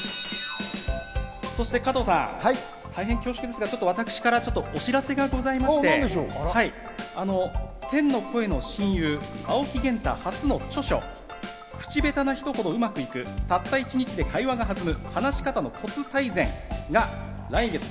そして加藤さん、大変恐縮ですが私からお知らせがございまして、天の声の親友・青木源太、初の著書『口ベタな人ほどうまくいくたった１日で会話が弾む！